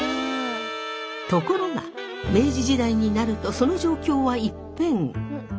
ところが明治時代になるとその状況は一変。